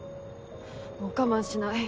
もう我慢しない。